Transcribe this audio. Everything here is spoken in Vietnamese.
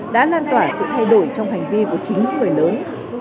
đã lan tỏa sự thay đổi trong hành vi của chính người lớn